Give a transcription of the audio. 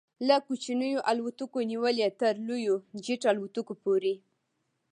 له کوچنیو الوتکو نیولې تر لویو جيټ الوتکو پورې